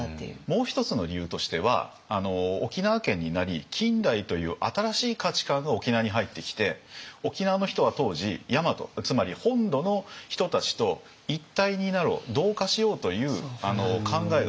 もう一つの理由としては沖縄県になり近代という新しい価値観が沖縄に入ってきて沖縄の人は当時大和つまり本土の人たちと一体になろう同化しようという考えがすごくあって。